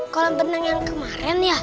kolam benang yang kemarin ya